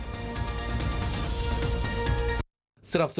ดีที่สุดคือการให้ไม่สิ้นสุดสิงค์โคปอเรชั่น